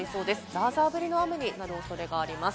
ザーザー降りの雨になる恐れがあります。